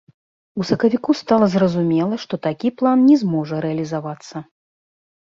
У сакавіку стала зразумела, што такі план не зможа рэалізавацца.